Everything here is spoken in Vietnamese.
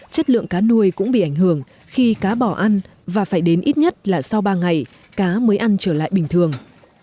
chất lượng cá nuôi cũng bị ảnh hưởng khi cá bỏ ăn và phải đến ít nhất là sông